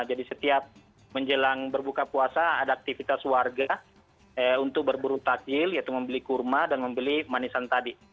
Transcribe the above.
jadi setiap menjelang berbuka puasa ada aktivitas warga untuk berburu takjil yaitu membeli kurma dan membeli manisan tadi